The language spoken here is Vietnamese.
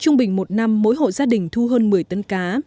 trung bình một năm mỗi hộ gia đình thu hơn một mươi tấn cá